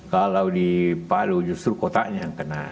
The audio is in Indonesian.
kalau di palu justru kotanya yang kena